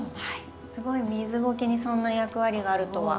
すごい水ごけにそんな役割があるとは。